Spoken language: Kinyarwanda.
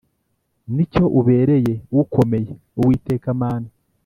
Ni cyo ubereye ukomeye, Uwiteka Mana